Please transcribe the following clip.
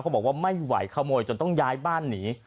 บอกว่าไม่ไหวขโมยจนต้องย้ายบ้านหนี